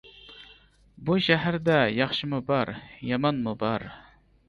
بۇ شەھەردە ياخشىمۇ بار، يامانمۇ بار.